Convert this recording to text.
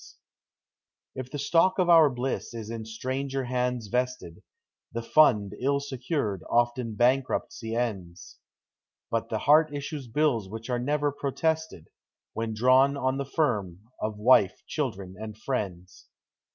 ass If the stock of our bliss is in stranger hands vested, The fund, ill secured, oft in bankruptcy ends; But the heart issues bills which are never pro tested, When drawn on the firm of— wife, children, and friends.